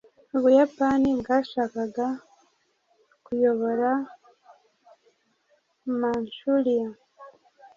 ubuyapani bwashakaga kuyobora manchuria